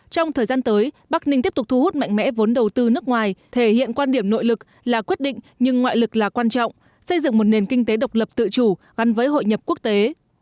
trong thời gian tới bắc ninh tiếp tục thu hút mạnh mẽ vốn đầu tư nước ngoài thể hiện quan điểm nội lực là quyết định nhưng ngoại lực là quan trọng xây dựng một nền kinh tế độc lập tự chủ gắn với hội nhập quốc tế